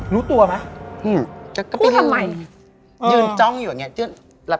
รู้ตัวมั้ยพูดทำไมอืมจะก็พี่นึงยืนจ้องอยู่อย่างเงี้ย